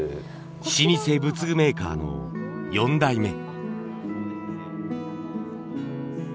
老舗仏具メーカーの４代目。